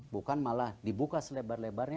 bukan malah dibuka selebar lebarnya